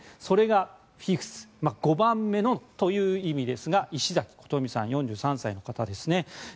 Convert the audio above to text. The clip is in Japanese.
それがフィフス５番目のという意味ですが石崎琴美さん４３歳の方ですね。